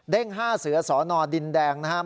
เด้ง๕เสือสนดินแดงนะครับ